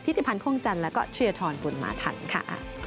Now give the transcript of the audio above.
ทฤษภัณฑ์พ่วงจันทร์และชุยธรรมฝุ่นมาทันค่ะ